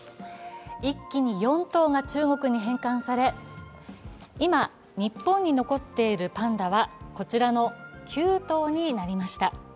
一気に４頭が中国に返還され今、日本に残っているパンダはこちらの９頭になりました。